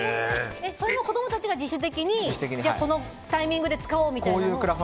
子供たちが自主的にこのタイミングで使おうって？